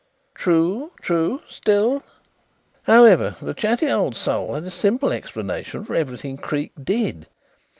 "True, true. Still " "However, the chatty old soul had a simple explanation for everything that Creake did.